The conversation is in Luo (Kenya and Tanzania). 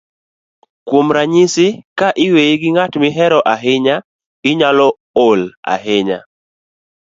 kuom ranyisi, ka iweyi gi ng'at mihero ahinya, inyalo ol ahinya